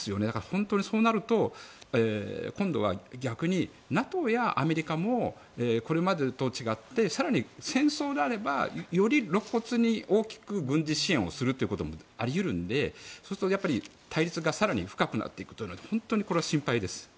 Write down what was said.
本当にそうなると今度は逆にＮＡＴＯやアメリカもこれまでと違って更に戦争であればより露骨に大きく軍事支援することもあり得るので、そうすると対立が深くなっていくというのが本当にこれは心配です。